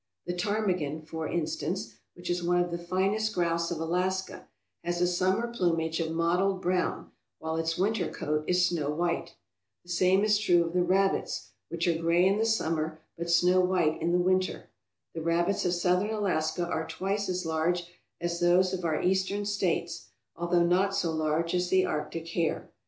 The ptarmigan, for instance, which is one of the finest grouse of Alaska, has a summer plumage of mottled brown while its winter coat is snow white. The same is true of the rabbits, which are gray in the summer but snow white in the winter. The rabbits of Southern Alaska are twice as large as those of our Eastern States, although not so large as the Arctic hare.